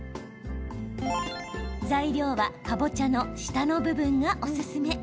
材料はかぼちゃの下の部分がおすすめ。